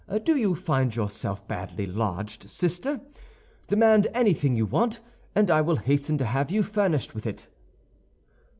"Do you find yourself badly lodged, sister? Demand anything you want, and I will hasten to have you furnished with it."